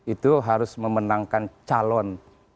itu harus memenangkan calon